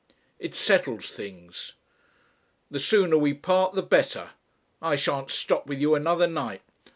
It settles things. "The sooner we part the better. I shan't stop with you another night.